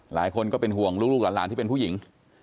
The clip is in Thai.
หลายคนก็เป็นห่วงลูกหลานที่เป็นผู้หญิง